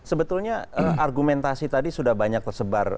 sebetulnya argumentasi tadi sudah banyak tersebar